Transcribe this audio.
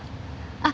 あっ。